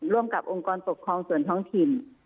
ร่วมกับองค์กรปกครองส่วนท้องถิ่น